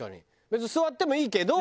別に座ってもいいけど。